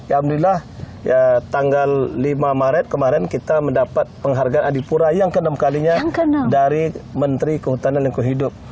alhamdulillah tanggal lima maret kemarin kita mendapat penghargaan adipura yang ke enam kalinya dari menteri kehutanan lingkungan hidup